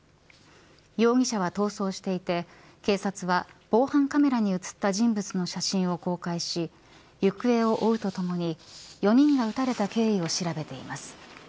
容疑者は逃走していて警察は防犯カメラに写った人物の写真を公開し、行方を追うとともに４人が撃たれた経緯を調べています。